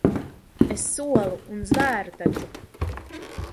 Es solu un zvēru taču.